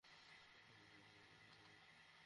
মাথার তার ছিঁড়ে গেছে?